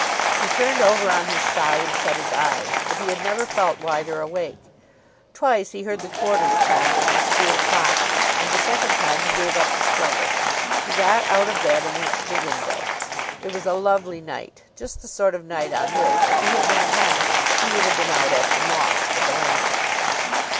He turned over on his side and shut his eyes, but he had never felt wider awake. Twice he heard the quarters chime from the school clock; and the second time he gave up the struggle. He got out of bed and went to the window. It was a lovely night, just the sort of night on which, if he had been at home, he would have been out after moths with a lantern.